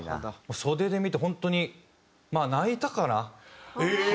袖で見て本当にまあ泣いたかな。